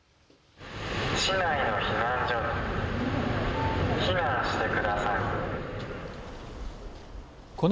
市内の避難所に避難してください。